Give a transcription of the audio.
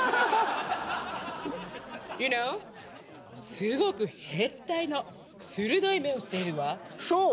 すごく変態な鋭い目をしているわ。